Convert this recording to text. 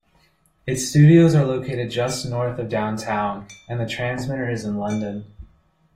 Its studios are located just north of downtown, and the transmitter is in London.